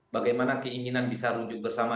bagaimana keinginan bisa rujuk bersama